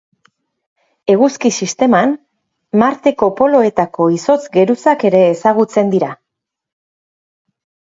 Eguzki-sisteman, Marteko poloetako izotz-geruzak ere ezagutzen dira.